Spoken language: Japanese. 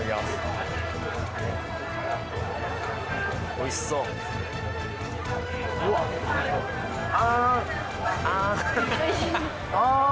おいしそう「あーん」